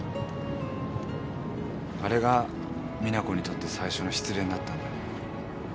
あれが実那子にとって最初の失恋だったんだ。